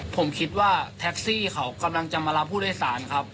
ผมคิดว่าแท็กซี่เขากำลังจะมารับผู้โดยสารครับ